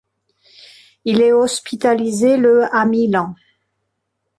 Il est hospitalisé le à Milan.